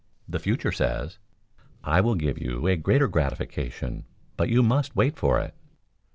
The future says, "I will give you a greater gratification, but you must wait for it."